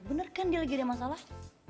bener kan dia lagi ada masalah